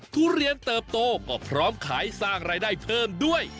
ทุเรียนเติบโตก็พร้อมขายสร้างรายได้เพิ่มด้วย